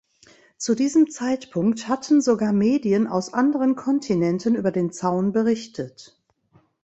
Zu diesem Zeitpunkt hatten sogar Medien aus anderen Kontinenten über den Zaun berichtet.